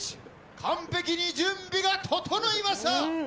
完璧に準備が整いました。